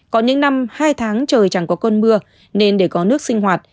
có những năm hai tháng trời chẳng có cơn mưa nên để có nước sinh hoạt